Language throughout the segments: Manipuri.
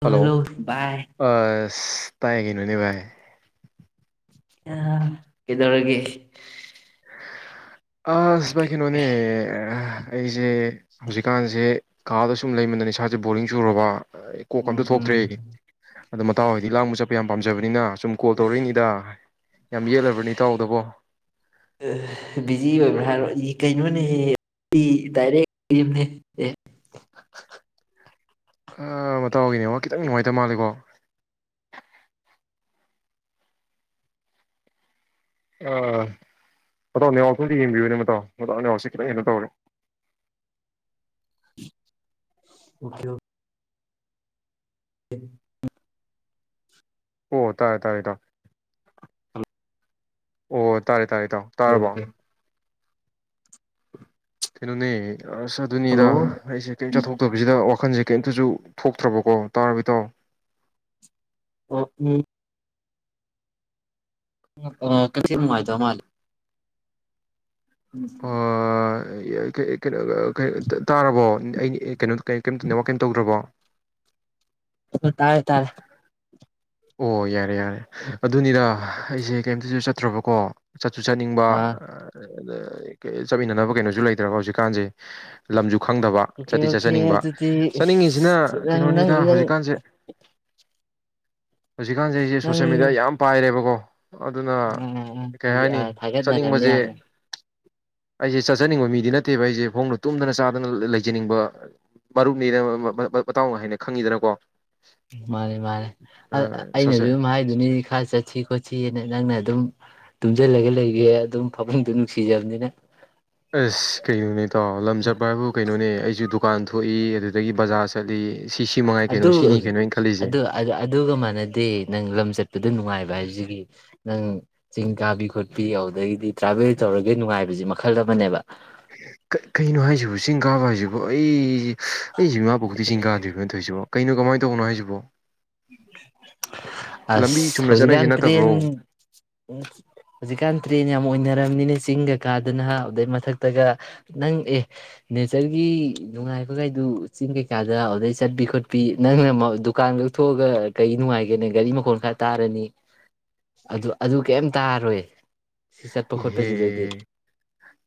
ꯂꯣ ꯍꯜꯂꯣ ꯕꯥꯏ ꯑꯁ ꯇꯥꯏ ꯀꯩꯅꯣꯅꯦ ꯕꯥꯏ ꯑꯥ ꯀꯩꯗꯧꯔꯒꯦ ꯑꯁ ꯕꯥꯏ ꯀꯩꯅꯣꯅꯤ ꯑꯩꯁꯦ- ꯍꯧꯖꯤꯛꯀꯥꯟꯁꯤ ꯀꯥꯗ ꯁꯨꯝ ꯂꯩꯃꯟꯗꯅ ꯏꯁꯥꯁꯦ ꯕꯣꯔꯤꯡ ꯆꯨꯔꯕ ꯑꯥ ꯀꯣꯛꯀ ꯎꯝ ꯑꯝꯇ ꯎꯝ ꯊꯣꯛꯇ꯭ꯔꯦ ꯑꯗꯨ ꯃꯇꯥꯎ ꯍꯣꯏꯗꯤ ꯂꯥꯡꯕ ꯆꯠ ꯄꯤꯌꯥꯝ ꯄꯥꯝꯖꯕꯅꯤꯅ ꯁꯨꯝ ꯀꯣꯜ ꯇꯧꯔꯛꯏꯅꯤꯗ ꯌꯥꯝ ꯌꯦꯠꯂꯕ꯭ꯔꯅꯦ ꯏꯇꯥꯎꯗꯕꯣ ꯕꯤꯖꯤ ꯑꯣꯏꯕ꯭ꯔꯥ ꯍꯥꯏꯔꯣ ꯑꯩ ꯀꯩꯅꯣꯅꯦ ꯑꯩ ꯗꯥꯏꯔꯦꯛꯅꯦ ꯑꯦ ꯍ ꯑꯥ ꯃꯇꯥꯎꯒꯤ ꯅꯦꯠꯋꯥꯛ ꯈꯤꯇꯪ ꯅꯨꯡꯉꯥꯏꯇꯕ ꯃꯥꯜꯂꯦꯀꯣ ꯑꯥ ꯃꯇꯥꯎ ꯅꯦꯠꯋꯥꯛꯇꯣ ꯑꯝꯇ ꯌꯦꯡꯕꯤꯌꯨꯅꯦ ꯃꯇꯥꯎ ꯃꯇꯥꯎ ꯅꯦꯠꯋꯥꯛꯁꯦ ꯈꯤꯇꯪ ꯀꯩꯅꯣ ꯇꯧꯔꯦ ꯑꫭꯀꯦ [unintelligible] ꯑꯣ ꯇꯥꯔꯦ ꯇꯥꯔꯦ ꯏꯇꯥꯎ ꯍꯜꯂꯣ ꯑꯣ ꯇꯥꯔꯦ ꯇꯥꯔꯦ ꯏꯇꯥꯎ ꯇꯥꯔꯕꯣ ꯑꯣꯀꯦ ꯀꯩꯅꯣꯅꯦ ꯑꯁ ꯑꯗꯨꯅꯤꯗ ꯍꯜꯂꯣ ꯑꯩꯁꯦ ꯀꯩꯝ ꯆꯠꯊꯣꯛꯇꯕꯁꯤꯗ ꯋꯥꯛ- ꯈꯟꯁꯦ ꯀꯩꯝꯇꯁꯨ ꯊꯣꯛꯇ꯭ꯔꯕꯀꯣ ꯇꯥꯔꯕ ꯏꯇꯥꯎ ꯑꯣ ꯎꯝ ꯑ-ꯀꯁꯤ ꯅꯨꯡꯉꯥꯏꯇꯕ ꯃꯥꯜꯂꯤ ꯎꯝ ꯑ-ꯑꯩ-ꯑ-ꯑ-ꯀꯩꯅ-ꯑ-ꯑꯥ-ꯇꯥꯔꯕꯣ ꯑꯩ ꯀꯩꯅꯣ ꯀꯩꯝꯇ ꯅ‌ꯦꯠꯋꯥꯔꯛ ꯀꯩꯝ ꯇꯧꯗ꯭ꯔꯕꯣ ꯑꯍ ꯇꯥꯔꯦ-ꯇꯥꯔꯦ ꯑꯣ ꯌꯥꯔꯦ-ꯌꯥꯔꯦ-ꯍ ꯑꯗꯨꯅꯤꯗꯅ ꯑꯩꯁꯦ ꯀꯩꯝꯇꯁꯨ ꯆꯠꯄ ꯇ꯭ꯔꯕꯀꯣ- ꯆꯠꯁꯨ ꯆꯠꯅꯤꯡꯕ ꯑꯥ ꯑ-ꯑꯗ ꯀꯩ-ꯀꯩ ꯆꯠꯃꯤꯟꯅꯅꯕ ꯀꯩꯅꯣꯁꯨ ꯂꯩꯇ꯭ꯔꯕ ꯍꯧꯖꯤꯛꯀꯥꯟꯁꯦ ꯂꯝꯁꯨ ꯈꯪꯗꯕ ꯑꯣꯀꯦ ꯆꯠꯇꯤ ꯑꯣꯀꯦ ꯆꯠꯆꯅꯤꯡꯕ ꯑꯗꯨꯗꯤ ꯆꯠꯅꯤꯡꯉꯤꯁꯤꯅ ꯏꯁ ꯅꯪ ꯅꯪ ꯀꯩꯅꯣꯅꯤꯗ ꯅꯪ ꯍꯧꯖꯤꯛꯀꯥꯟꯁꯦ- ꯍꯧꯖꯤꯛꯀꯥꯟꯁꯤ ꯑꯩꯁꯦ ꯅꯪ ꯁꯣꯁꯦꯜ ꯃꯦꯗꯤꯌꯥ ꯌꯥꯝ ꯄꯥꯏꯔꯦꯕꯀꯣ [inaudible] ꯑꯥ-ꯑꯗꯨꯅ ꯑꯥ ꯀꯩ ꯍꯧꯖꯤꯛ ꯍꯥꯏꯅꯤ ꯑꯥ ꯊꯥꯒꯠꯅꯔꯝꯅꯤ ꯆꯠꯅꯤꯡꯕꯁꯦ ꯌꯥꯝꯅ ꯑꯩꯁꯦ ꯆꯠꯆꯅꯤꯡꯕ ꯃꯤꯗꯤ ꯅꯠꯇꯦꯕ ꯑꯩꯁꯦ ꯐꯃꯨꯡꯗ ꯇꯨꯝꯗꯅ ꯆꯥꯗꯅ ꯂꯩꯖꯅꯤꯡꯕ ꯃꯔꯨꯞꯅꯤꯅ ꯃꯇꯥꯎꯅ ꯍꯦꯟꯅ ꯈꯪꯉꯤꯗꯅꯀꯣ ꯑ, ꯑ-ꯑꯩꯅꯁꯨ ꯁꯣꯁꯦ ꯑꯗꯨꯝ ꯍꯥꯏꯗꯨꯅꯤ ꯈꯔ ꯆꯠꯁꯤ ꯈꯣꯠꯁꯤꯅ ꯅꯪꯅ ꯑꯗꯨꯝ ꯇꯨꯝꯁꯤꯜꯂꯒ ꯂꯩꯒꯦ ꯑꯗꯨꯝ ꯐꯃꯨꯡꯗꯨ ꯅꯨꯡꯁꯤꯖꯕꯅꯤꯅ ꯑꯁ ꯀꯩꯅꯣꯅꯦ ꯗꯨ ꯇꯣ ꯂꯝ ꯆꯠꯄ ꯍꯥꯏꯕꯨ ꯀꯩꯅꯣꯅꯦ ꯑꯩꯁꯨ ꯗꯨꯝ ꯗꯨꯀꯥꯟ ꯊꯣꯛꯏ ꯑꯗꯨꯗꯒꯤ ꯕꯖꯥꯔ ꯆꯠꯂꯤ ꯁꯤ ꯁꯤ ꯃꯉꯥꯏ ꯀꯩꯅꯣ ꯑꯗꯨ ꯁꯤꯅꯤ ꯀꯩꯅꯣ ꯑꯩꯅ ꯈꯜꯂꯤꯁꯦ ꯑꯗꯨ ꯑꯗꯨꯒ ꯃꯥꯟꯅꯗꯦ ꯅꯪ ꯂꯝ ꯆꯠ ꯑꯗꯨ ꯅꯨꯡꯉꯥꯏꯕ ꯍꯥꯏꯕꯁꯤꯒꯤ ꯅꯪ ꯆꯤꯡ ꯀꯥꯕꯤ ꯈꯣꯠꯄꯤ ꯑꯗꯨꯗꯒꯤꯗꯤ ꯇ꯭ꯔꯥꯚꯦꯜ ꯇꯧꯔꯒ ꯅꯨꯡꯉꯥꯏꯕꯁꯤ ꯃꯈꯜ ꯑꯃꯅꯦꯕ ꯀꯩ ꯀꯩꯅꯣ ꯍꯥꯏꯁꯤꯕꯨ ꯆꯤꯡ ꯀꯥꯕ ꯍꯥꯏꯁꯤꯕꯨ ꯑꯩ ꯑꯩꯁꯤ ꯏꯃꯥ ꯄꯣꯛꯄꯗꯒꯤ ꯆꯤꯡ ꯀꯥꯗ꯭ꯔꯤꯕꯣ ꯇꯧꯔꯤꯁꯤꯕꯣ ꯀꯩꯅꯣ ꯀꯃꯥꯏ ꯇꯧꯕꯅꯣ ꯍꯥꯏꯁꯤꯕꯣ ꯂꯝꯕꯤ ꯑꯁ ꯆꯨꯝꯅ ꯆꯠꯅꯩꯁꯦ ꯍꯧꯖꯤꯛꯀꯥꯟ ꯇ꯭ꯔꯦꯟ ꯅꯠꯇꯕ꯭ꯔꯣ ꯍꯧꯖꯤꯛꯀꯥꯟ ꯇ꯭ꯔꯦꯟ ꯌꯥꯝ ꯑꯣꯏꯅꯔꯝꯃꯤꯅꯦ ꯆꯤꯡꯒꯥ ꯀꯥꯗꯅ ꯍꯥ ꯑꯗꯨꯗꯩ ꯃꯊꯛꯇꯒ ꯅꯪ ꯑꯦ ꯅꯦꯆꯔꯒꯤ ꯅꯨꯡꯉꯥꯏꯕꯒꯥꯏꯗꯨ ꯆꯤꯡ ꯀꯩ ꯀꯥꯗ ꯑꯗꯨꯗꯩ ꯆꯠꯄꯤ ꯈꯣꯠꯄꯤ ꯅꯪꯅ ꯗꯨꯀꯥꯟꯒ ꯀ ꯊꯣꯛꯑꯒ ꯀꯩ ꯅꯨꯡꯉꯥꯏꯒꯦꯅꯦ ꯒꯥꯔꯤ ꯃꯈꯣꯜ ꯈꯔ ꯇꯥꯔꯅꯤ ꯑꯗꯨ ꯑꯗꯨ ꯀꯩꯝ ꯇꯥꯔꯣꯏ ꯁꯤ ꯆꯠꯄ ꯏꯍꯦ ꯈꯣꯠꯄꯁꯤꯗꯗꯤ ꯑꯦ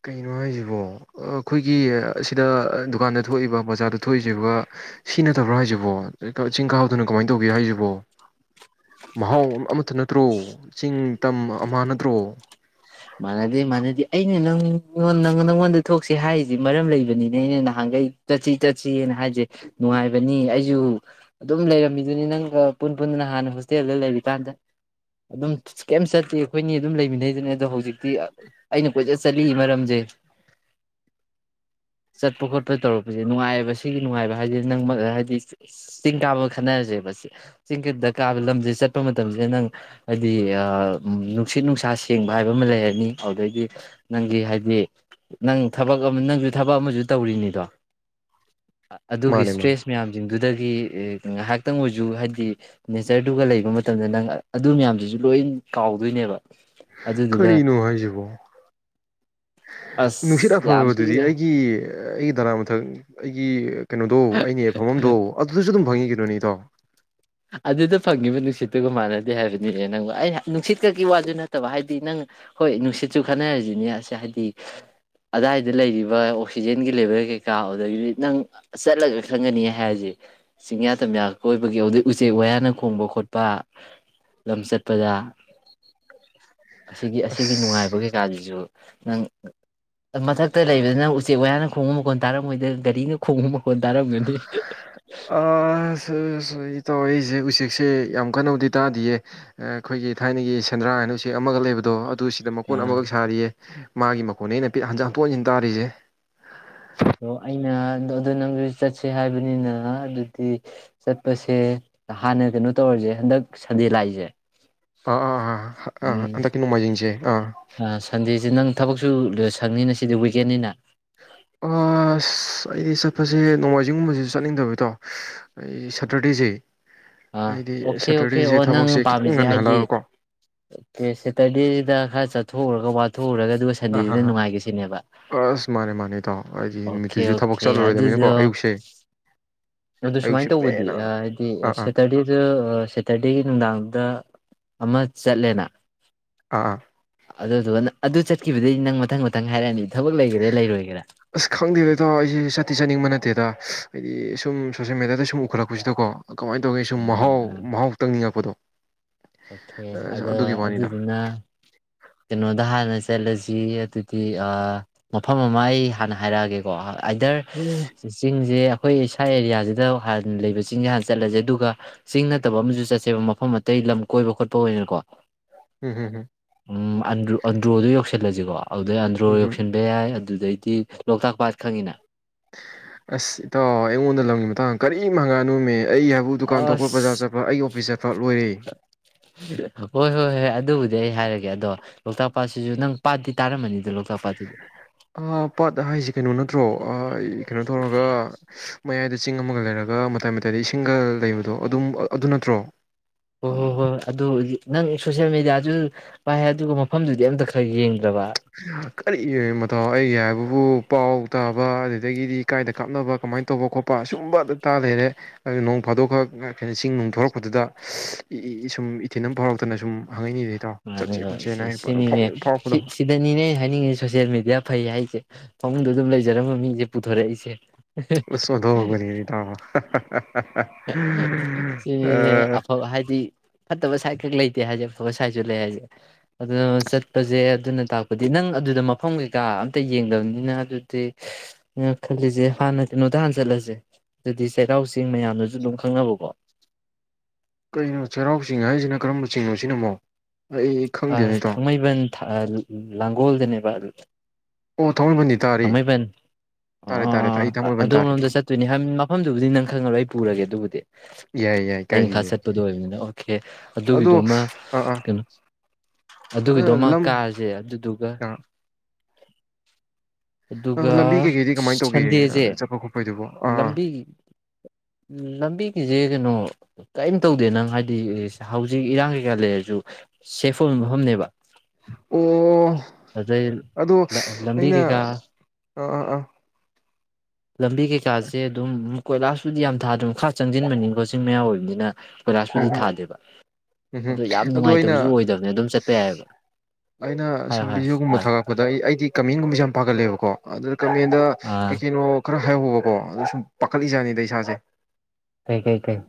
ꯀꯩꯅꯣ ꯍꯥꯏꯁꯤꯕꯣ ꯑ ꯑꯩꯈꯣꯏꯒꯤ ꯑꯁꯤꯗ ꯑ ꯗꯨꯀꯥꯟꯗ ꯊꯣꯛꯏꯕ ꯕꯖꯥꯔꯗ ꯊꯣꯛꯏꯕ ꯁꯤ ꯅꯠꯇꯕ꯭ꯔꯥ ꯍꯥꯏꯁꯤꯕꯣ ꯆꯤꯡ ꯀꯥꯕꯗꯨꯅ ꯀꯃꯥꯏ ꯇꯧꯒꯦ ꯍꯥꯏꯁꯤꯕꯣ ꯃꯍꯥꯎ ꯑꯃꯇ ꯅꯠꯇ꯭ꯔꯣ ꯆꯤꯡ ꯇꯝ ꯑꯃꯍꯥ ꯅꯠꯇ꯭ꯔꯣ ꯃꯥꯟꯅꯗꯦ-ꯃꯥꯟꯅꯗꯦ ꯑꯩꯅ ꯅꯪꯉꯣꯟ ꯅꯪ ꯅꯪꯉꯣꯟꯗ ꯊꯣꯛꯁꯤ ꯍꯥꯏꯔꯤꯁꯤ ꯃꯔꯝ ꯂꯩꯕꯅꯤꯅꯦ ꯑꯩꯅ ꯅꯍꯥꯟꯈꯩ ꯆꯠꯁꯤ ꯆꯠꯁꯤꯅ ꯍꯥꯏꯁꯦ ꯅꯨꯡꯉꯥꯏꯕꯅꯤ ꯑꯩꯁꯨ ꯑꯗꯨꯝ ꯂꯩꯔꯝꯃꯤꯗꯨꯅꯤ ꯅꯪꯒ ꯄꯨꯟ ꯄꯨꯟꯅ ꯅ ꯍꯥꯟꯅ ꯍꯣꯁꯇꯦꯜꯗ ꯂꯩꯔꯤꯀꯥꯟꯗ ꯑꯗꯨꯝ ꯀꯩꯝ ꯆꯠꯇꯦ ꯑꯩꯈꯣꯏꯅꯤ ꯑꯗꯨꯝ ꯂꯩꯃꯤꯟꯅꯩꯗꯨꯅꯤ ꯑꯗꯣ ꯍꯧꯖꯤꯛ ꯍꯧꯖꯤꯛꯇꯤ ꯑꯩꯅ ꯀꯣꯏꯆꯠ ꯆꯠꯂꯤ ꯃꯔꯝꯁꯦ ꯆꯠꯄ ꯈꯣꯠꯄ ꯇꯧꯔꯛꯄꯁꯦ ꯅꯨꯡꯉꯥꯏꯌꯦꯕ ꯁꯤꯒꯤ ꯅꯨꯡꯉꯥꯏꯕ ꯍꯥꯏꯗꯤ ꯅꯪ ꯍꯥꯏꯗꯤ ꯆꯤꯡ ꯀꯥꯕ ꯈꯟꯅꯔꯁꯦꯕ ꯆꯤꯡꯗ ꯀꯥꯕ ꯂꯝꯁꯦ ꯆꯠꯄ ꯃꯇꯝꯁꯤꯗ ꯅꯪ ꯍꯥꯏꯗꯤ ꯅꯨꯡꯁꯤꯠ ꯅꯨꯡꯁꯥ ꯁꯦꯡꯕ ꯍꯥꯏꯕ ꯑꯃ ꯂꯩꯔꯅꯤ ꯑꯗꯨꯗꯩꯒꯤ ꯅꯪꯒꯤ ꯍꯥꯏꯗꯤ ꯅꯪ ꯊꯕꯛ ꯑꯃ ꯅꯪꯁꯨ ꯊꯕꯛ ꯑꯃꯁꯨ ꯇꯧꯔꯤꯅꯤꯗꯣ ꯑꯗꯨꯒꯤ ꯃꯥꯅꯦ ꯃꯥꯅꯦ ꯏꯁꯇ꯭ꯔꯦꯁ ꯃꯌꯥꯝꯁꯤꯡ ꯑꯗꯨꯗꯒꯤ ꯉꯥꯏꯍꯥꯛꯇꯪ ꯑꯣꯏꯁꯨ ꯍꯥꯏꯗꯤ ꯅꯦꯆꯔꯗꯨꯒ ꯂꯩꯕ ꯃꯇꯝꯗ ꯅꯪ ꯑꯗꯨ ꯃꯌꯥꯝꯗꯨꯁꯨ ꯂꯣꯏ ꯀꯥꯎꯗꯣꯏꯅꯦꯕ ꯑꯗꯨꯗꯨꯒ ꯀꯔꯤꯅꯣ ꯍꯥꯏꯁꯤꯕꯣ ꯅꯨꯡꯁꯤꯠ ꯑꯁ ꯌꯥꯝ ꯑꯐꯕꯗꯨꯗꯤ ꯊꯤꯔꯦ ꯑꯩꯒꯤ ꯑꯩꯒꯤ ꯅꯥ ꯃꯊꯛ ꯑꯩꯒꯤ ꯀꯩꯅꯣꯗꯣ ꯑꯅꯦꯐꯝꯕꯝꯗꯣ ꯑꯗꯨꯗꯁꯨ ꯑꯗꯨꯝ ꯐꯪꯉꯤꯅꯦ ꯏꯇꯣ ꯑꯗꯨꯗ ꯐꯪꯉꯤꯕ ꯅꯨꯡꯁꯤꯠꯇꯨꯒ ꯃꯥꯟꯅꯗꯦ ꯍꯥꯏꯕꯅꯤꯅꯦ ꯅꯪꯕꯨ ꯑꯩꯅ ꯅꯨꯡꯁꯤꯠꯀꯛꯀꯤ ꯋꯥꯗꯨ ꯅꯠꯇꯕ ꯍꯥꯏꯗꯤ ꯅꯪ ꯍꯣꯏ ꯅꯨꯡꯁꯤꯠꯁꯨ ꯈꯟꯅꯔꯁꯤꯅꯦ ꯑꯁ ꯍꯥꯏꯗꯤ ꯑꯗꯥꯏꯗ ꯂꯩꯔꯤꯕ ꯑꯣꯛꯁꯤꯖꯦꯟꯒꯤ ꯂꯦꯚꯦꯜ ꯀꯩꯀꯥ ꯑꯗꯨꯗꯒꯤꯗꯤ ꯅꯪ ꯆꯠꯂꯒ ꯈꯪꯒꯅꯤ ꯍꯥꯏꯔꯁꯦ ꯆꯤꯡꯌꯥ ꯇꯝꯌꯥ ꯀꯣꯏꯕꯒꯤ ꯎꯆꯦꯛ ꯋꯥꯌꯥꯅ ꯈꯣꯡꯕ ꯈꯣꯠꯄ ꯂꯝ ꯆꯠꯄꯗ ꯑꯁꯤꯒꯤ ꯑꯁꯤꯒꯤ ꯑꯁ ꯅꯨꯡꯉꯥꯏꯕ ꯀꯩꯀꯥꯁꯤꯁꯨ ꯅꯪ ꯃꯊꯛꯇ ꯂꯩꯕꯗ ꯅꯪ ꯎꯆꯦꯛ ꯋꯥꯌꯥꯅ ꯈꯣꯡꯕ ꯃꯈꯣꯟ ꯇꯥꯔꯝꯃꯣꯏꯗ ꯒꯥꯔꯤꯅ ꯈꯣꯡꯕ ꯃꯈꯣꯟ ꯇꯥꯔꯝꯒꯅꯤ ꯑꯗ ꯑꯩ ꯇꯧꯋ ꯑꯩꯁꯦ ꯎꯆꯦꯛꯁꯦ ꯌꯥꯝ ꯀꯟꯅꯕꯨꯗꯤ ꯇꯥꯗꯌꯦ ꯑꯩꯈꯣꯏꯒꯤ ꯊꯥꯏꯅꯒꯤ ꯁꯦꯟꯗ꯭ꯔꯥ ꯍꯥꯏꯅ ꯎꯆꯦꯛ ꯑꯃꯒ ꯂꯩꯕꯗꯣ ꯑꯗꯨ ꯁꯤꯗ ꯃꯀꯣꯟ ꯑꯥ ꯑꯃꯈꯛ ꯁꯥꯔꯤꯌꯦ ꯃꯥꯒꯤ ꯃꯈꯣꯟꯅ ꯑꯩꯅ ꯍꯟꯆꯥꯡ ꯍꯟꯇꯣꯛ ꯍꯟꯖꯤꯟ ꯇꯥꯔꯤꯁꯦ ꯑ ꯑꯩꯅ ꯑꯗꯨ ꯅꯪ ꯆꯠꯁꯦ ꯍꯥꯏꯕꯅꯤꯅ ꯑꯗꯨꯗꯤ ꯆꯠꯄꯁꯦ ꯍꯥꯟꯅ ꯀꯩꯅꯣ ꯇꯧꯔꯁꯦ ꯍꯟꯗꯛ ꯁꯟꯗꯦ ꯂꯥꯛꯏꯁꯦ ꯑꯥ ꯑꯥ ꯑꯥ ꯑꯥ ꯍꯟꯗꯛꯀꯤ ꯅꯣꯡꯃꯥꯏꯖꯤꯡꯁꯦ ꯑꯥ ꯑ ꯁꯟꯗꯦꯁꯤ ꯅꯪ ꯊꯕꯛꯁꯨ ꯁꯪꯅꯤꯅ ꯁꯤꯗꯤ ꯋꯤꯛꯀꯦꯟꯅꯤꯅ ꯑꯣ ꯑꯩꯗꯤ ꯆꯠꯄꯁꯦ ꯅꯣꯡꯃꯥꯏꯖꯤꯡꯒꯨꯝꯕꯁꯤꯁꯨ ꯆꯠꯅꯤꯡꯗꯕꯗꯣ ꯑꯩ ꯁꯇꯔꯗꯦꯁꯦ ꯑꯥ ꯑꯩꯗꯤ ꯑꯣꯀꯦ ꯑꯣꯀꯦ ꯁꯇꯔꯗꯦꯁꯦ ꯑꯣ ꯊꯕꯛꯁꯦ ꯈꯤꯇꯪ ꯉꯟꯍꯜꯂꯒꯀꯣ ꯑꯣꯀꯦ ꯁꯦꯇꯔꯗꯦꯁꯤꯗ ꯈꯔ ꯆꯠꯊꯣꯛꯎꯔꯒ ꯋꯥꯊꯣꯛꯎꯔꯒ ꯑꯗꯨꯒ ꯑ ꯍ ꯁꯟꯗꯦꯁꯤꯅ ꯍ ꯅꯨꯡꯉꯥꯏꯒ‌ꯦ ꯁꯤꯅꯦꯕ ꯑꯁ ꯃꯥꯅꯦ ꯃꯥꯅꯦ ꯏꯇꯥꯎ ꯍꯥꯏꯗꯤ ꯑꯣꯀꯦ ꯅꯨꯃꯤꯠꯇꯨꯁꯨ ꯊꯕꯛ ꯑꯣꯀꯦ ꯆꯠꯂꯔꯣꯏꯗꯕꯅꯤꯅꯀꯣ ꯑꯗꯨꯗ ꯑꯌꯨꯛꯁꯦ ꯑꯗꯨ ꯑꯌꯨꯛꯁꯦ ꯁꯨꯃꯥꯏꯅ ꯇꯧꯕꯗꯤ ꯄꯦꯟꯅ ꯍꯥꯏꯗꯤ ꯑꯥ ꯑꯥ ꯁꯦꯇꯔꯗꯦꯗ ꯁꯦꯇꯔꯗꯦꯒꯤ ꯅꯨꯡꯗꯥꯡꯗ ꯑꯃ ꯆꯠꯂꯦꯅ ꯑꯥ ꯑꯥ ꯑꯗꯨꯗꯨꯒꯅ ꯑꯗꯨ ꯆꯠꯈꯤꯕꯗꯒꯤ ꯅꯪ ꯃꯊꯪ ꯃꯊꯪ ꯍꯥꯏꯔꯛꯑꯅꯤ ꯊꯕꯛ ꯂꯩꯒꯦꯔꯥ ꯂꯩꯔꯣꯏꯒꯦꯔꯥ ꯈꯪꯗꯦꯕꯗꯣ ꯑꯩꯁꯦ ꯆꯥꯠꯇꯤ ꯆꯥꯅꯤꯡꯕ ꯅꯠꯇꯦ ꯑꯗꯨꯗ ꯍꯥꯏꯗꯤ ꯁꯨꯝ ꯁꯣꯁꯦꯜ ꯃꯦꯗꯤꯌꯥꯗ ꯁꯨꯝ ꯎꯈꯠꯂꯛꯄꯁꯤꯗꯀꯣ ꯀꯃꯥꯏꯅ ꯇꯧꯒꯦ ꯁꯨꯝ ꯑꯥ ꯃꯍꯥꯎ ꯑꯥ ꯃꯍꯥꯎ ꯇꯪꯅꯤꯡꯉꯛꯄꯗꯣ ꯑꯣꯀꯦ ꯑꯁ ꯑꯗꯣ ꯑꯗꯨꯒꯤ ꯋꯥꯅꯤꯗ ꯑꯗꯨꯗꯨꯅ ꯀꯩꯅꯣꯗ ꯍꯥꯟꯅꯁꯤ ꯂꯖꯤ ꯑꯗꯨꯗꯤ ꯃꯐꯝ ꯑꯃ ꯑꯩ ꯍꯥꯟꯅ ꯍꯥꯏꯔꯛꯑꯒꯦꯀꯣ ꯑꯥꯏꯗꯔ ꯎꯝ ꯆꯤꯡꯁꯦ ꯑꯩꯈꯣꯏ ꯁꯥꯢ ꯑꯦꯔꯤꯌꯥꯁꯤꯗ ꯍꯥꯟꯅ ꯂꯩꯕ ꯆꯤꯡꯁꯦ ꯍꯥꯟꯅ ꯆꯠꯂꯁꯦ ꯑꯗꯨꯒ ꯆꯤꯡ ꯅꯠꯇꯕ ꯑꯃꯁꯨ ꯆꯠꯁꯦꯕ ꯃꯐꯝ ꯑꯇꯩ ꯂꯝ ꯀꯣꯏꯕ ꯈꯣꯠꯄ ꯑꯣꯏꯅꯅꯀꯣ ꯎꯝ ꯍꯝ ꯎꯝ ꯑꯟ ꯑꯟꯗꯔꯣ ꯑꯗꯔꯣꯗꯨ ꯌꯧꯁ ꯆꯠꯂꯁꯤꯀꯣ ꯑꯗꯨꯗꯩ ꯑꯟꯗ꯭ꯔꯣ ꯎꯝ ꯍꯝ ꯌꯧꯁꯤꯟꯕ ꯌꯥꯏ ꯑꯗꯨꯗꯩꯗꯤ ꯂꯣꯛꯇꯥꯛ ꯄꯥꯠ ꯈꯪꯉꯤꯅ ꯑꯁ ꯏꯇꯥꯎ ꯑꯩꯉꯣꯟꯗ ꯂꯝꯒꯤ ꯃꯇꯥꯡꯗ ꯀꯔꯤꯝ ꯍꯉꯥꯀꯅꯨꯃꯤ ꯑꯩ ꯍꯥꯏꯕꯨ ꯗꯨꯀꯥꯟ ꯊꯣꯛꯄ ꯕꯖꯥꯔ ꯑꯁ ꯆꯠꯄ ꯑꯩꯒꯤ ꯑꯣꯐꯤꯁ ꯆꯠꯄ ꯂꯣꯏꯔꯦ ꯍꯣꯏ ꯍꯣꯏ ꯍꯣꯏ ꯑꯗꯨꯕꯨꯗꯤ ꯑꯩ ꯍꯥꯏꯔꯒꯦ ꯑꯗꯣ ꯂꯣꯛꯇꯥꯛ ꯄꯥꯠꯁꯤꯁꯨ ꯅꯪ ꯄꯥꯠꯇꯤ ꯇꯥꯔꯝꯃꯅꯤꯗꯣ ꯂꯣꯛꯇꯥꯛ ꯄꯥꯠꯇꯨꯗꯤ ꯄꯥꯠ ꯍꯥꯏꯁꯤ ꯀꯩꯅꯣ ꯅꯠꯇ꯭ꯔꯣ ꯍꯏ ꯀꯩꯅꯣ ꯇꯧꯔꯒ ꯃꯌꯥꯏꯗ ꯆꯤꯡ ꯑꯃꯒ ꯂꯩꯔꯒ ꯃꯇꯥꯏ ꯃꯇꯥꯏꯗ ꯏꯁꯤꯡꯒ ꯂꯩꯕꯗꯣ ꯑꯗꯨꯝ ꯑꯗꯨ ꯅꯠꯇ꯭ꯔꯣ ꯑꯣ ꯍꯣ ꯑꯥ ꯍꯣ ꯑꯗꯨ ꯅꯪ ꯁꯣꯁꯤꯌꯦꯦꯜ ꯃꯦꯗꯤꯌꯥꯁꯨ ꯄꯥꯏ ꯑꯗꯨꯒ ꯃꯐꯝꯗꯨꯗꯤ ꯑꯝꯇ ꯈꯔ ꯌꯦꯡ ꯀꯔꯤ ꯃꯇꯧ ꯑꯩꯒꯤ ꯍꯥꯏꯕꯨ ꯕꯨ ꯄꯥꯎ ꯇꯥꯕ ꯑꯗꯨꯗꯒꯤꯗꯤ ꯀꯥꯏꯗ ꯀꯥꯞꯅꯕ ꯀꯃꯥꯏꯅ ꯇꯧꯕ ꯈꯣꯠꯄ ꯁꯁꯨꯝꯕ ꯑꯗꯨꯇꯥ ꯂꯩꯔꯦ ꯑꯗꯨ ꯅꯣꯡ ꯐꯥꯗꯣꯛꯈ꯭ꯔ ꯀꯩꯅꯣ ꯆꯤꯡ ꯅꯨꯡ ꯊꯣꯔꯛꯄꯗꯨꯗ ꯁꯨꯝ ꯏꯊꯤꯤꯟ ꯑꯃ ꯐꯥꯎꯔꯛꯇꯅ ꯁꯨꯝ ꯍꯪꯉꯛꯏꯅꯤꯗ ꯏꯇꯥꯎ ꯆꯠꯁꯦ ꯑꯗ ꯁꯤ ꯈꯣꯠꯁꯦꯅ ꯍꯥꯏ ꯁꯤꯅꯤꯅꯦ ꯁꯤ ꯐꯥꯎꯔꯛꯄꯗꯣ ꯁꯤꯗꯅꯤꯅꯦ ꯍꯥꯏꯅꯤꯡꯉꯤ ꯁꯣꯁꯤꯦꯜ ꯃꯦꯗꯤꯌꯥ ꯐꯩ ꯍꯥꯏꯁꯦ ꯐꯃꯨꯡꯗ ꯑꯗꯨꯝ ꯂꯩꯖꯔꯝꯕ ꯃꯤꯁꯦ ꯄꯨꯊꯣꯔꯛꯏꯁꯦ ꯎꯟ ꯑꯣꯟꯊꯛꯄꯅꯤꯍꯦ ꯦꯇꯥꯎ ꯁꯤꯅꯤꯅꯦ ꯑꯐꯕ ꯍꯥꯏꯗꯤ ꯐꯠꯇꯕ ꯁꯥꯏꯠ ꯈꯛ ꯂꯩꯇꯦ ꯍꯥꯏꯁꯦ ꯑꯐꯕ ꯁꯥꯏꯠꯁꯨ ꯂꯩ ꯍꯥꯏꯁꯦ ꯑꯗꯨꯅ ꯆꯠꯄꯁꯦ ꯑꯗꯨꯅ ꯇꯥꯛꯄꯗꯤ ꯅꯪ ꯑꯗꯨꯗ ꯃꯐꯝ ꯀꯩꯀꯥ ꯑꯝꯇ ꯌꯦꯡꯗꯕꯅꯤꯅ ꯑꯗꯨꯗꯤ ꯅ ꯈꯜꯂꯤꯁꯦ ꯍꯥꯟꯅ ꯀꯩꯅꯣꯗ ꯍꯥꯟꯅ ꯆꯠꯂꯁꯦ ꯑꯗꯨꯗꯤ ꯆꯩꯔꯥꯎ ꯆꯦꯡ ꯃꯌꯥꯝꯗꯨ ꯨ ꯑꯗꯨꯝ ꯈꯪꯅꯕꯀꯣ ꯀꯩꯅꯣ ꯆꯩꯔꯥꯎ ꯆꯤꯡ ꯍꯥꯏꯁꯤꯅ ꯀꯔꯝꯕ ꯆꯤꯡꯅꯣ ꯁꯤꯅꯃꯣꯛ ꯑ ꯊꯥꯡꯃꯩꯕꯟ [unintelligible] ꯂꯥꯡꯒꯣꯜꯗꯅꯦꯕ ꯑꯣ ꯊꯥꯡꯃꯩꯕꯟꯗꯤ ꯇꯥꯔꯤ ꯊꯥꯡꯃꯩꯕꯟ ꯑꯣ ꯇꯥꯔꯦ ꯑꯥ ꯇꯥꯔꯦ ꯑꯩ ꯑꯥ ꯊꯥꯡꯃꯩꯕꯟ ꯑꯗꯣꯝ ꯇꯥꯔꯦ ꯂꯣꯝꯗ ꯆꯠꯇꯣꯏꯅꯤ ꯃꯐꯝꯗꯨꯕꯨꯗꯤ ꯅꯪ ꯈꯪꯉꯔꯣꯏ ꯑꯩ ꯄꯨꯔꯒꯦ ꯑꯗꯨꯕꯨꯗꯤ ꯌꯥꯏ ꯌꯥꯏ ꯑꯩꯅ ꯈꯔ ꯀꯥꯖꯤꯅꯦ ꯆꯠꯄꯗꯣ ꯑꯣꯏꯕꯅꯤꯅ ꯑꯣꯀꯦ ꯑꯗꯨꯒꯤꯗꯣꯃ ꯀꯩꯅꯣ ꯑꯗꯣ ꯑꯗꯨꯒꯤꯗꯣꯃ ꯂꯝ ꯀꯥꯔꯁꯦ ꯑꯗꯨꯗꯨꯒ ꯑ ꯑꯗꯨꯒ ꯂꯝꯕꯤ ꯀꯩꯀꯩꯗꯤ ꯀꯃꯥꯏꯅ ꯇꯧꯒꯦ ꯁꯟꯗꯦꯁꯦ ꯆꯠꯄ ꯈꯣꯠꯄꯩꯗꯨꯕꯣ ꯑꯥ ꯑꯥ ꯂꯝꯕꯤ ꯂꯝꯕꯤꯒꯤꯗꯤ ꯀꯩꯅꯣ ꯀꯔꯤꯝ ꯇꯧꯗꯦ ꯅꯪ ꯍꯥꯏꯗꯤ ꯍꯧꯖꯤꯛ ꯏꯔꯥꯡ ꯀꯩꯀꯥ ꯂꯩꯔꯁꯨ ꯁꯦꯐ ꯑꯣꯏꯕ ꯃꯐꯝꯅꯦꯕ ꯑꯣ ꯑꯗꯨꯗꯩ ꯑꯗꯨ ꯂꯝꯕꯤ ꯑꯩꯟ ꯑꯥ ꯀꯩꯀꯥ ꯑꯥ ꯑꯥ ꯂꯝꯕꯤ ꯀꯩꯀꯥꯁꯦ ꯑꯗꯨꯝ ꯀꯣꯏꯂꯥꯁꯄꯨꯗꯤ ꯌꯥꯝ ꯊꯥꯗꯅ ꯃꯈꯥ ꯆꯪꯁꯤꯟꯕꯅꯤ ꯀꯣ ꯆꯤꯡ ꯃꯌꯥ ꯑꯣꯏꯕꯅꯤꯅ ꯀꯣꯏꯂꯥꯁꯄꯨꯗꯤ ꯎꯝꯝ ꯊꯥꯗꯦꯕ ꯎꯝꯝ ꯌꯥꯝ ꯑꯗꯣ ꯑꯩꯅ ꯅꯨꯡꯉꯥꯏꯇꯕꯁꯨ ꯑꯣꯏꯗꯕꯅꯦ ꯑꯗꯨꯝ ꯆꯠꯄ ꯌꯥꯏꯑꯕ ꯑꯩꯅ ꯍꯥꯏꯌꯣ ꯁꯨꯝ ꯍꯥꯏꯌꯣ ꯚꯤꯗꯤꯑꯣꯒꯨꯝꯕ ꯇꯥꯏ ꯊꯥꯒꯠꯄꯗ ꯑꯩ ꯑꯩꯗꯤ ꯀꯝꯃ‌ꯦꯟꯒꯨꯝꯕꯁꯦ ꯌꯥꯝ ꯄꯥꯒꯜꯂ‌ꯦꯕꯀꯣ ꯑꯗꯨ ꯀꯃ‌ꯦꯟꯗ ꯑꯥ ꯀꯩ ꯀꯩꯅꯣ ꯈꯔ ꯍꯥꯏꯍꯧꯕꯀꯣ ꯑꯗꯨ ꯁꯨꯝ ꯄꯥꯈꯠꯂꯤꯖꯥꯠꯅꯤꯗ ꯏꯁꯥꯁꯦ ꯀꯩ ꯀꯩ ꯀꯩ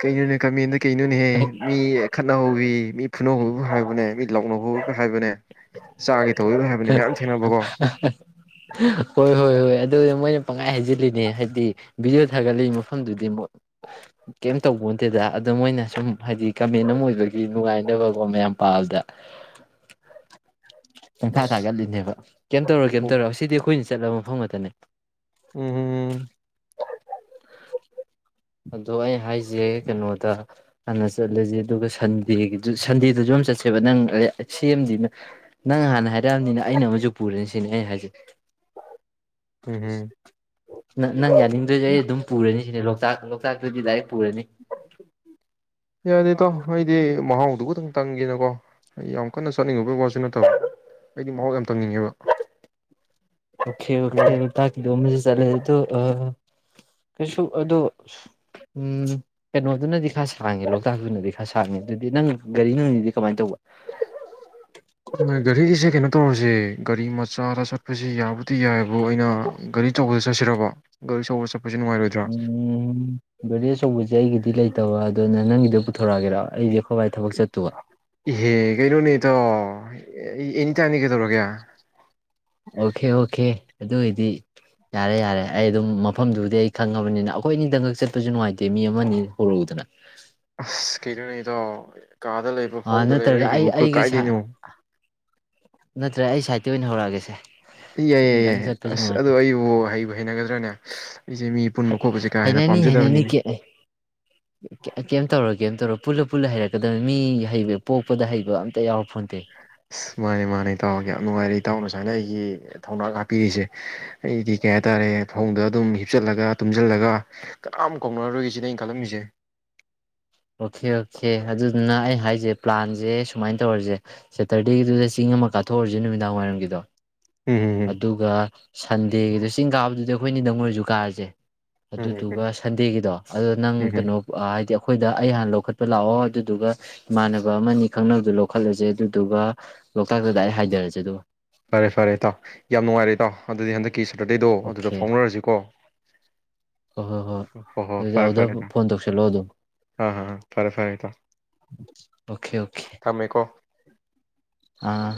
ꯀꯩꯅꯣꯅꯦ ꯀꯃꯦꯟꯗ ꯀꯩꯅꯣꯅꯦꯍꯦ ꯃꯤ [unintelligible] ꯃꯤ ꯐꯨꯅꯧꯕꯨ ꯍꯥꯏꯕꯅꯦ ꯃꯤ ꯂꯥꯎꯅꯧꯕꯕꯨ ꯍꯥꯏꯕꯅꯦ ꯆꯥꯒꯦ ꯇꯧꯗꯣꯏꯅꯦ ꯍꯥꯏꯕꯅꯤ ꯃꯌꯥꯝ ꯊꯦꯡꯅꯕꯀꯣ ꯍꯣꯏ ꯍꯣꯏ ꯍꯣꯏ ꯑꯗꯨꯅ ꯃꯣꯏꯅ ꯄꯪꯉꯥꯏ ꯍꯥꯏꯩꯖꯤꯜꯂꯤꯅꯦ ꯍꯥꯏꯗꯤ ꯚꯤꯗꯤꯑꯣ ꯊꯥꯒꯠꯂꯤ ꯃꯐꯝꯗꯨꯗꯤ ꯀꯩꯝ ꯇꯠꯇꯦꯗ ꯑꯗꯣ ꯃꯣꯏꯅ ꯁꯨꯝ ꯍꯥꯏꯗꯤ ꯀꯃꯦꯟ ꯑꯃ ꯑꯣꯏꯕꯒꯤ ꯅꯨꯡꯉꯥꯏꯅꯕ ꯄꯪꯊꯥ ꯑꯁ ꯊꯥꯒꯠꯂꯤꯅꯦꯕ ꯀꯩꯝ ꯇꯧꯔꯣ ꯀꯩꯝ ꯇꯧꯔ ꯁꯤꯗꯤ ꯑꯩꯈꯣꯏꯅ ꯁꯤ ꯆꯠꯂꯕ ꯃꯐꯝ ꯉꯥꯛꯇꯅꯦ ꯎꯝ ꯎꯝ ꯑꯗꯣ ꯑꯩ ꯍꯥꯏꯁꯦ ꯀꯩꯅꯣꯗ ꯍꯥꯟꯅ ꯆꯠꯂꯁꯦ ꯑꯗꯨꯒ ꯁꯟꯗꯦꯒꯤꯗꯨ ꯁꯟꯗꯦꯗꯁꯨ ꯌꯥꯝ ꯆꯠꯁꯦꯕ ꯅꯪ ꯁꯦꯝꯗꯤ ꯅꯪ ꯍꯥꯟꯅ ꯍꯥꯏꯔꯛꯑꯕꯅꯤꯅ ꯑꯩꯅ ꯑꯃꯁꯨ ꯄꯨꯔꯦꯅꯤ ꯁꯤꯅꯤ ꯑꯩ ꯍꯥꯏꯁꯦ ꯎꯝꯝ ꯅꯪ ꯌꯥꯅꯤꯡꯗ꯭ꯔꯗꯤ ꯑꯩ ꯑꯗꯨꯝ ꯄꯨꯔꯅꯤ ꯁꯤꯅꯦ ꯂꯣꯛꯇꯥꯛ [unintelligible] ꯌꯥꯔꯦ ꯏꯇꯥꯎ ꯑꯩꯗꯤ ꯃꯍꯥꯎ ꯑꯗꯨꯛꯇꯪ ꯇꯪꯒꯦꯅꯀꯣ ꯑꯩ ꯌꯥꯝ ꯀꯟꯅ ꯆꯠꯅꯤꯡꯉꯤꯕꯩ ꯋꯥꯁꯨ ꯅꯠꯇꯕ ꯑꯩꯗꯤ ꯃꯍꯥꯎ ꯌꯥꯝ ꯇꯪꯅꯤꯡꯉꯦꯕ ꯑꯣꯀꯦ ꯑꯣꯀꯦ ꯂꯣꯇꯥꯛꯀꯤꯗꯨ ꯑꯃꯥꯗꯤ ꯆꯠꯂꯥ ꯇꯨ ꯀꯩꯁꯨ ꯑꯗꯣ ꯎ ꯀꯩꯅꯣꯗꯨꯅꯗꯤ ꯈꯔ ꯁꯥꯡꯉꯦ ꯂꯣꯛꯇꯥꯛꯇꯅꯗꯤ ꯈꯔ ꯁꯥꯡꯉꯦ ꯑꯗꯨꯗꯤ ꯅꯪ ꯒꯥꯔꯤ ꯅꯪꯅꯤꯗꯤ ꯀꯃꯥꯏꯅ ꯇꯧꯕ ꯒꯥꯔꯤꯒꯤꯁꯦ ꯀꯩꯅꯣ ꯇꯧꯔꯁꯦ ꯒꯥꯔꯤ ꯃꯆꯥꯗ ꯆꯠꯄꯁꯤ ꯌꯥꯕꯨꯗꯤ ꯌꯥꯏꯕꯨ ꯑꯩꯅ ꯒꯥꯔꯤꯆꯧꯕꯗ ꯆꯠꯁꯤꯔꯕ ꯒꯥꯔꯤ ꯑꯆꯧꯕ ꯆꯠ ꯎꯝꯝ ꯒꯥꯔꯤ ꯑꯆꯧꯕꯁꯦ ꯑꯩꯒꯤꯗꯤ ꯗꯤ ꯂꯩꯇꯕ ꯑꯗꯨꯅ ꯅꯪꯒꯤꯗꯨ ꯄꯨꯊꯣꯔꯛꯑꯒꯦꯔꯥ ꯑꯩꯁꯦ ꯍꯦ ꯀꯩꯅꯩꯅꯣ ꯑꯦꯌꯥꯏ ꯑꯣ ꯑꯦꯅꯤ ꯇꯥꯏꯝꯅꯤ ꯀꯩꯗꯧꯔꯒꯦ ꯑꯣꯀꯦ ꯑꯣꯀꯦ ꯑꯗꯨ ꯑꯣꯏꯏꯗꯤ ꯌꯥꯔꯦ ꯌꯥꯔꯦ ꯑꯩ ꯑꯗꯨꯝ ꯃꯐꯝꯗꯨꯕꯨꯗꯤ ꯑꯩ ꯈꯪꯉꯕꯅꯤꯅ ꯑꯩꯈꯣꯏ ꯑꯅꯤꯗꯪꯀꯛ ꯆꯠꯄꯁꯨ ꯅꯨꯡꯉꯥꯏꯇꯦ ꯃꯤ ꯑꯃꯅꯤ ꯍꯧꯔꯛꯎꯗꯅ ꯎꯟ ꯀꯩꯅꯣꯅꯦ ꯑꯣ ꯀꯥꯗ ꯂꯩꯕ ꯑ ꯐꯧꯃꯨꯡꯗ ꯂꯩꯕ ꯅꯠꯇ꯭ꯔꯒ ꯑꯩꯒꯤꯕꯨ ꯑꯩ ꯀ ꯀꯥꯏꯗꯩꯅꯣ ꯅꯇꯔ꯭ꯒ ꯑꯩ ꯁꯥꯏꯠꯇꯤ ꯑꯣꯏꯅ ꯍꯧꯔꯛꯑꯒꯦꯁꯦ ꯌꯥꯏꯌꯦꯏ ꯌꯥꯏꯌꯦ ꯑꯩꯈꯣꯏꯅꯤꯗꯪ ꯆꯠꯄꯁꯨ ꯑꯁ ꯑꯗꯣ ꯅꯨꯡꯉꯥꯏꯇꯦ ꯑꯩꯕꯨ ꯍꯩꯕꯨ ꯍꯩꯅꯒꯗ꯭ꯔꯥꯅꯦ ꯑꯩꯁꯦ ꯃꯤ ꯄꯨꯟꯕ ꯈꯣꯠꯄꯁꯦ ꯀꯥ ꯍꯦꯟꯅ ꯍꯩꯅꯅꯤ ꯍꯩꯅꯅꯤ ꯄꯥꯝꯖꯗꯕꯅꯤꯅꯦ ꯀꯦ ꯀꯩꯝ ꯇꯧꯔꯣꯏ ꯀꯩꯝ ꯇꯧꯔꯣꯏ ꯄꯨꯜꯂ ꯄꯨꯜꯂ ꯍꯩꯔꯛꯀꯗꯕꯅꯤ ꯃꯤ ꯍꯩꯕ ꯄꯣꯛꯄꯗ ꯍꯩꯕ ꯑꯝꯇ ꯌꯥꯑꯣꯄꯣꯟꯇꯦ ꯃꯥꯅꯦ ꯃꯥꯅꯦ ꯇꯥꯎꯒꯤ ꯌꯥꯝ ꯅꯨꯡꯉꯥꯏꯔꯦ ꯏꯇꯥꯎꯅ ꯁꯨꯃꯥꯏꯅ ꯑꯩꯒꯤ ꯊꯧꯅꯥ ꯍꯥꯞꯄꯤꯔꯤꯁꯦ ꯑꯩꯗꯤ ꯀꯩ ꯍꯥꯏꯇꯥꯔꯦ ꯐꯧꯗ ꯑꯗꯨꯝ ꯍꯤꯞꯆꯜꯂꯒ ꯇꯨꯝꯁꯤꯜꯂꯒ ꯀꯅꯥꯝ ꯀꯥꯎꯅꯔꯔꯣꯏꯒꯁꯤꯅ ꯑꯩꯅ ꯈꯜꯂꯝꯃꯤꯁꯦ ꯑꯣꯀꯦ ꯑꯣꯀꯦ ꯑꯗꯨꯗꯨꯅ ꯑꯩ ꯍꯥꯏꯁꯦ ꯄ꯭ꯂꯥꯟꯁꯦ ꯁꯨꯃꯥꯏꯅ ꯇꯧꯔꯁꯦ ꯁꯦꯇꯔꯗꯦꯒꯤꯗꯨꯗ ꯆꯤꯡ ꯑꯃ ꯀꯥꯊꯣꯛꯎꯔꯁꯦ ꯅꯨꯃꯤꯗꯥꯡꯋꯥꯏꯔꯝꯒꯤꯗꯣ ꯎꯝ ꯎꯝ ꯑꯗꯨꯒ ꯁꯟꯗꯦꯒꯤꯗꯣ ꯆꯤꯡ ꯀꯥꯕꯗꯨꯗꯤ ꯑꯩꯈꯣꯏꯅꯤ ꯗꯪ ꯑꯣꯏꯔꯁꯨ ꯀꯥꯔꯁꯦ ꯎꯝ ꯎꯝ ꯎꯝ ꯑꯗꯨꯗꯨꯒ ꯁꯟꯗꯦꯒꯤꯗꯣ ꯑꯗꯨ ꯅꯪ ꯎꯝ ꯎꯝ ꯀꯩꯅꯣ ꯍꯥꯏꯗꯤ ꯑꯩꯈꯣꯏꯗ ꯑꯩ ꯍꯥꯟꯅ ꯂꯧꯈꯠꯄ ꯂꯥꯛꯑꯣ ꯑꯗꯨꯗꯨꯒ ꯏꯃꯥꯟꯅꯕ ꯑꯃꯅꯤ ꯈꯪꯅꯕꯗꯨ ꯂꯧꯈꯠꯂꯁꯦ ꯑꯗꯨꯗꯨꯒ ꯂꯣꯛꯇꯥꯛꯇ ꯗꯥꯏꯔꯦꯛ ꯍꯥꯏꯊꯔꯁꯦ ꯑꯗꯨꯒ ꯐꯔꯦ ꯐꯔꯦ ꯏꯇꯥꯎ ꯌꯥꯝ ꯅꯨꯡꯉꯥꯏꯔꯦ ꯏꯇꯥꯎ ꯑꯗꯨꯗꯤ ꯍꯟꯗꯛ ꯀꯤ ꯁꯇꯔꯗꯦꯗꯣ ꯑꯗꯨꯗ ꯑꯣꯀꯦ ꯐꯥꯎꯅꯔꯁꯤꯀꯣ ꯍꯣꯏ ꯍꯣꯏ ꯍꯣꯏ ꯍꯣ ꯍꯣ ꯑꯗꯨꯗꯤ ꯐꯔꯦ ꯑꯗꯨꯗ ꯐꯔꯦ ꯏꯇꯥꯎ ꯐꯣꯟ ꯇꯧꯁꯜꯂꯣ ꯑꯗꯨꯝ ꯑꯥ ꯑꯥ ꯐꯔꯦ ꯐꯔꯦ ꯏꯇꯥꯎ ꯑꯣꯀꯦ ꯑꯣꯀꯦ ꯊꯝꯃꯦꯀꯣ ꯑꯥ